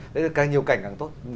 lấy được càng nhiều cảnh càng tốt